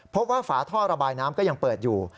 ฝาท่อระบายน้ำก็ยังเปิดอยู่